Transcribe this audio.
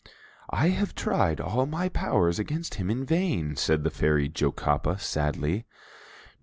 "I have tried all my powers against him in vain," said the Fairy Jocapa, sadly.